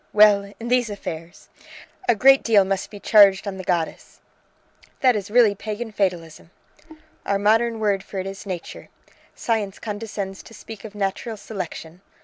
"Well, in these affairs! A great deal must be charged on the goddess." "That is really Pagan fatalism!" "Our modern word for it is Nature. Science condescends to speak of natural selection.